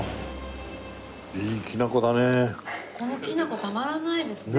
このきな粉たまらないですね